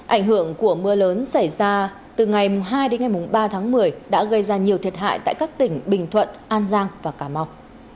ảnh hưởng của mưa lớn xảy ra từ ngày hai đến ngày ba tháng một mươi đã gây ra nhiều thiệt hại tại các tỉnh bình thuận an giang và cà mau